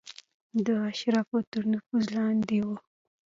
د اشرافو تر نفوذ لاندې وه.